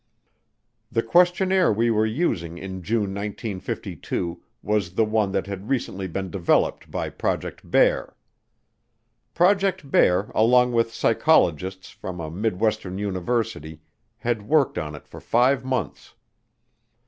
The questionnaire we were using in June 1952 was the one that had recently been developed by Project Bear. Project Bear, along with psychologists from a midwestern university, had worked on it for five months.